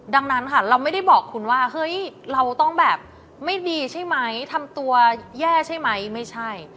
ดังนั้นค่ะเราไม่ได้บอกคุณว่าเฮ้ยเราต้องแบบไม่ดีใช่ไหมทำตัวแย่ใช่ไหมไม่ใช่